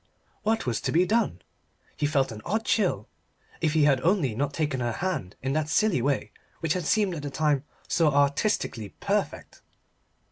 What was to be done? He felt an odd chill. If he had only not taken her hand in that silly way which had seemed at the time so artistically perfect.